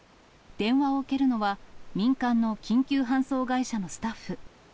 電話を受けるのは、民間の緊急搬送会社のスタッフ。